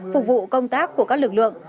phục vụ công tác của các lực lượng